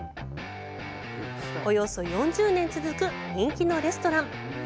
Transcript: およそ４０年続く人気のレストラン。